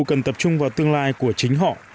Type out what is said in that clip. cần tập trung vào tương lai của chính họ